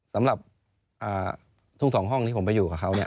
สำหรับทุ่ง๒ห้องที่ผมไปอยู่กับเขา